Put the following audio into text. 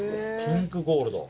ピンクゴールド。